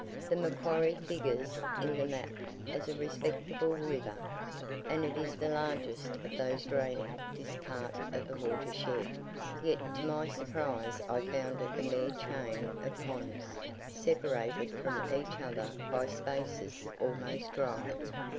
The Macquarie figures in the map as a respectable river, and it is the largest of those draining this part of the water shed; yet to my surprise I found it a mere chain of ponds, separated from each other by spaces almost dry.